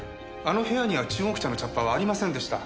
あの部屋には中国茶の茶っ葉はありませんでした。